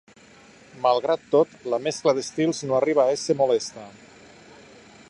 Malgrat tot, la mescla d'estils no arriba a ésser molesta.